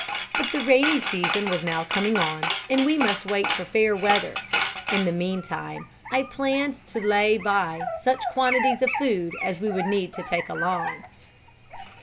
But the rainy season was now coming on and we must wait for fair weather. In the meantime I planned to lay by such quantities of food as we would need to take along."